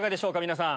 皆さん。